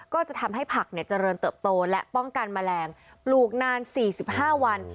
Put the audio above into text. ก็จะทำให้ผักเนี่ยเจริญเติบโตและป้องกันแมลงปลูกนานสี่สิบห้าวัน